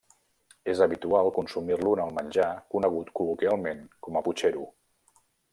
És habitual consumir-lo en el menjar conegut col·loquialment com a putxero.